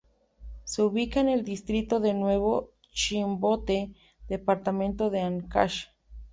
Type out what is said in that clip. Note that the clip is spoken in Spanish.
Se ubica en el distrito de Nuevo Chimbote, departamento de Áncash.